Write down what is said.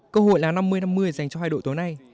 cơ hội là năm mươi năm mươi dành cho hai đội tối nay